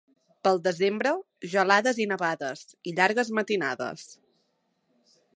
Pel desembre, gelades i nevades i llargues matinades.